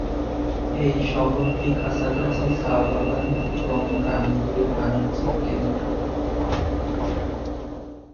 এই শহরটি কাছাকাছি চা বাগান এবং গ্রামগুলির বাণিজ্যিক কেন্দ্র।